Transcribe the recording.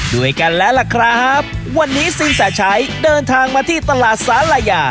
ด้วยกันแล้วล่ะครับวันนี้สินแสชัยเดินทางมาที่ตลาดสาลายา